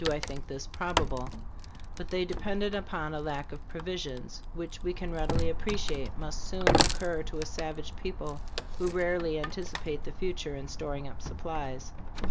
I think this probable; but they depended upon a lack of provisions, which we can readily appreciate must soon occur to a savage people who rarely an ticipate the future in storing up supplies.